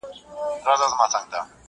چي ایرې کېمیا کوي هغه اکسیر یم؛